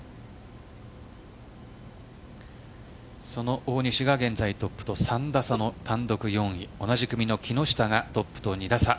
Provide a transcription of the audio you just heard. その大西が現在トップと３打差の単独４位同じ組の木下がトップと２打差。